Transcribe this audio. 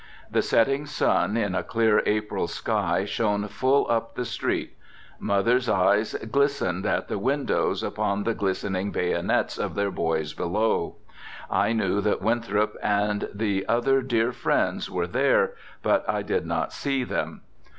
The setting sun in a clear April sky shone full up the street. Mothers' eyes glistened at the windows upon the glistening bayonets of their boys below. I knew that Winthrop and other dear friends were there, but I did not see them.